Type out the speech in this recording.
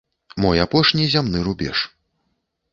Мой апошні зямны рубеж.